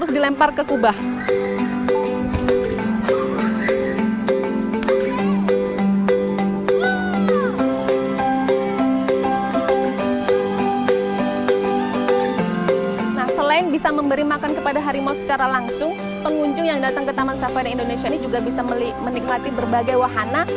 selain bisa memberi makan kepada harimau secara langsung pengunjung yang datang ke taman safari indonesia ini juga bisa menikmati berbagai wahana